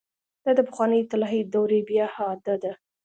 دا د پخوانۍ طلايي دورې بيا اعاده ده.